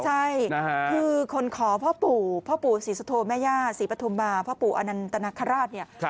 ใช่คือคนขอพ่อปู่พ่อปู่ศิษฐโธมะญาศิปฑมมาพ่อปู่อนันตนคราช